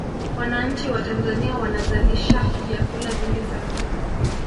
wananchi wa tanzania wanazalisha vyakula vingi sana